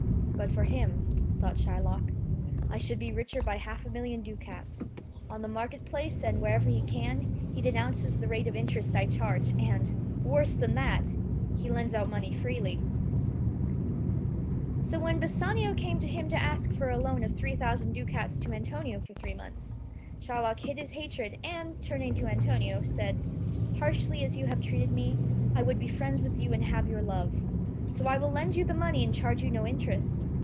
"But for him," thought Shylock, "I should be richer by half a million ducats. On the market place, and wherever he can, he denounces the rate of interest I charge, and — ^worse than that — he lends out money freely." 68 THE CHILDREN'S SHAKESPEARE. So when Bassanio came to him to ask for a loan of three thou sand ducats to Antonio for three months, Shylock hid his hatred, and turning to Antonio, said — "Harshly as you have treated me, 1 would be friends with you and have your love. So I will lend you the money and charge you no interest.